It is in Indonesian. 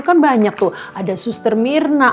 kan banyak tuh ada suster mirna